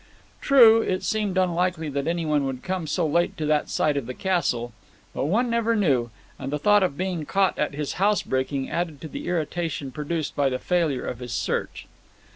True, it seemed unlikely that anyone would come so late to that side of the castle; but one never knew, and the thought of being caught at his housebreaking added to the irritation produced by the failure of his search.